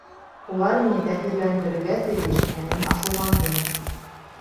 Улар мине тэьҫирләндерергә тейеш ине, э мин асыуландым...